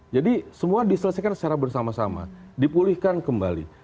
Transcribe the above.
jadi semua diselesaikan secara bersama sama dipulihkan kembali